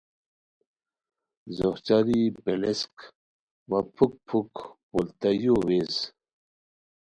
ځوہچاری پیلیسک وا پُھک پُھک پولتائیو ویز